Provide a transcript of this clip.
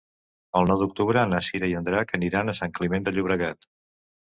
El nou d'octubre na Cira i en Drac aniran a Sant Climent de Llobregat.